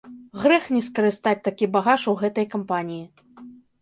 Грэх не скарыстаць такі багаж у гэтай кампаніі.